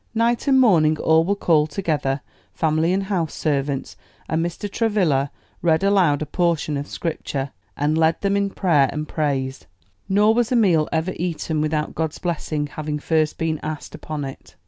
Night and morning all were called together family and house servants and Mr. Travilla read aloud a portion of Scripture, and led them in prayer and praise. Nor was a meal ever eaten without God's blessing having first been asked upon it.